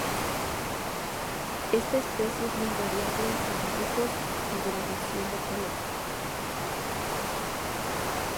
Esta especie es muy variable en sus dibujos y gradación de color.